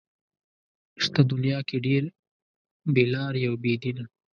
شته دنيا کې ډېر بې لارې او بې دينه